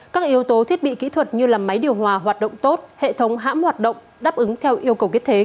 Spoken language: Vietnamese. các yếu tố thiết bị kỹ thuật như máy điều hòa hoạt động tốt hệ thống hãm hoạt động đáp ứng theo yêu cầu kết thế